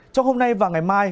trong hôm nay và ngày mai